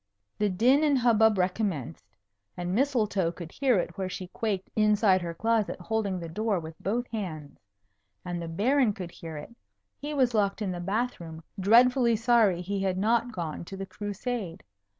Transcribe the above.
The din and hubbub recommenced. And Mistletoe could hear it where she quaked inside her closet holding the door with both hands. And the Baron could hear it. He was locked in the bath room, dreadfully sorry he had not gone to the Crusade.